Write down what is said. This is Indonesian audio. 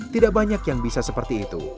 tidak banyak yang bisa seperti itu